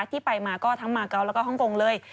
ที่ไปมาก็ทั้งมาเกาะแล้วก็ฮ่องกงเลย